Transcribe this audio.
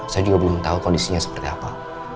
saya juga belum tahu kondisinya seperti apa